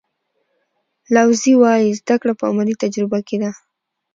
لاوزي وایي زده کړه په عملي تجربه کې ده.